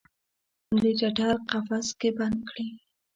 د ټټر قفس کې بند کړي